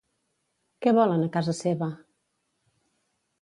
Què volen a casa seva?